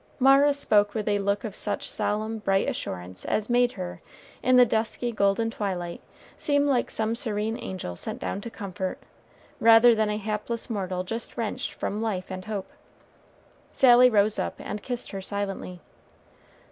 Mara spoke with a look of such solemn, bright assurance as made her, in the dusky, golden twilight, seem like some serene angel sent down to comfort, rather than a hapless mortal just wrenched from life and hope. Sally rose up and kissed her silently.